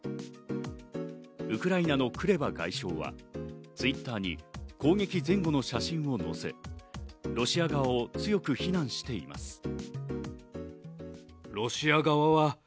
ウクライナのクレバ外相はＴｗｉｔｔｅｒに攻撃前後の写真を載せ、ロシア側を強く非難しています。